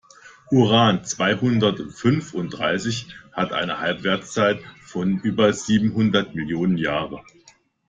Uran-zweihundertfünfunddreißig hat eine Halbwertszeit von über siebenhundert Millionen Jahren.